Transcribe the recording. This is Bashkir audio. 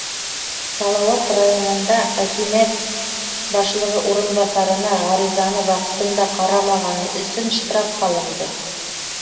Салауат районында хакимиәт башлығы урынбаҫарына ғаризаны ваҡытында ҡарамағаны өсөн штраф һалынды.